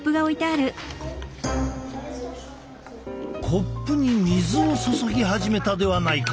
コップに水を注ぎ始めたではないか。